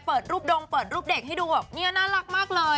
เปิดรูปดงเปิดรูปเด็กให้ดูแบบเนี่ยน่ารักมากเลย